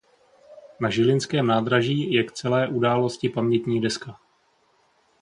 Na žilinském nádraží je k celé události pamětní deska.